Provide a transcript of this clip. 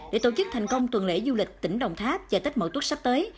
để tổ chức thành công tuần lễ du lịch tỉnh đồng tháp và tết mở tuốt sắp tới